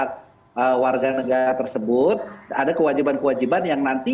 nah kemudian kemudian juga ini terjadi kewajiban kewajiban yang berarti